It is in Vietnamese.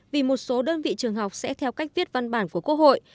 vì một số đơn vị trường học sẽ theo cách viết văn bản của quốc hội